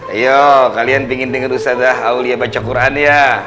ayo kalian ingin denger ustadzah aulia baca quran ya